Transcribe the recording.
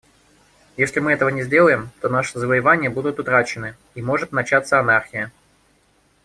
Если мы этого не сделаем, то наши завоевания будут утрачены и может начаться анархия.